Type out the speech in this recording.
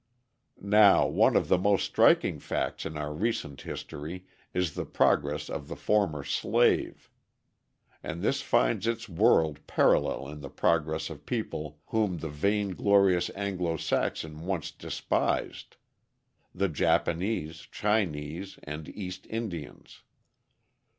Now, one of the most striking facts in our recent history is the progress of the former slave. And this finds its world parallel in the progress of people whom the vainglorious Anglo Saxon once despised: the Japanese, Chinese, and East Indians.